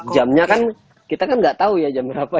jamnya kan kita kan nggak tahu ya jam berapa